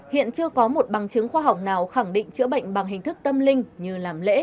hiện chưa có một bằng chứng khoa học nào khẳng định chữa bệnh bằng hình thức tâm linh như làm lễ